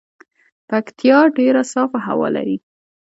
پکتيا ډیره صافه هوا لري